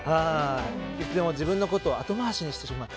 いつでも自分のことを後回しにしてしまう。